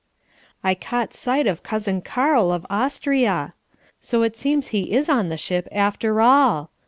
I caught sight of Cousin Karl of Austria! So it seems he is on the ship after all.